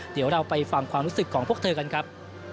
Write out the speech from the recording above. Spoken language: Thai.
เดี๋ยวเราไปฟังความรู้สึกของพวกเธอกันครับ